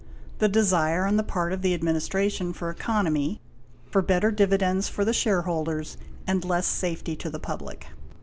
The desire on the part of the administration for economy, for better dividends for the share holders, and less safety to the public.